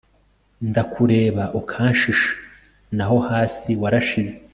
ndakureba ukanshisha naho hasi warashize